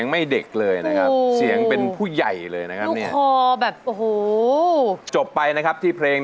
นอนนอนนอนรัก